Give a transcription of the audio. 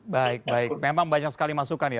baik baik memang banyak sekali masukan ya